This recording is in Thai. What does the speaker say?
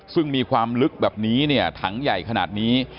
ซึ่งมีความลึกแบบนี้เนี่ยถังใหญ่ขนาดนี้